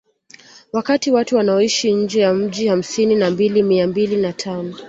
Wakati watu wanaoishi nje ya mji ni hamsini na mbili mia mbili na tano